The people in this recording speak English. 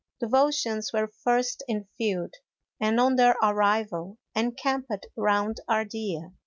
The Volscians were first in the field, and on their arrival encamped round Ardea.